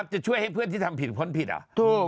จะช่วยให้เพื่อนที่ทำผิดพ้นผิดอ่ะ